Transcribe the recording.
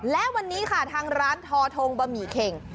และวันนี้ค่ะทางร้านทอทงบะหมี่เข่ง